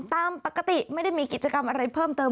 ตามปกติไม่ได้มีกิจกรรมอะไรเพิ่มเติม